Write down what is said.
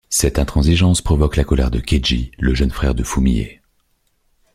Cette intransigeance provoque la colère de Keiji, le jeune frère de Fumie.